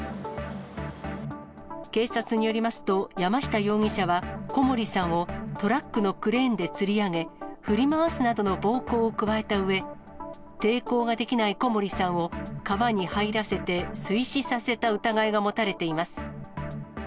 警察によりますと、山下容疑者は小森さんをトラックのクレーンでつり上げ、振り回すなどの暴行を加えたうえ、抵抗ができない小森さんを川に入らせて水死させた疑いが持たれています。